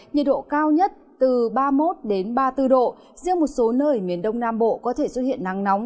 nhiệt độ cao nhất từ ba mươi một ba mươi bốn độ riêng một số nơi miền đông nam bộ có thể xuất hiện nắng nóng